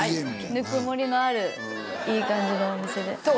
ぬくもりのあるいい感じのお店で。